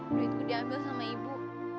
duitku diambil sama ibu